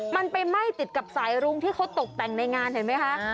มันไปไหม้ติดกับสายรุ้งที่เขาตกแต่งในงานเห็นไหมคะ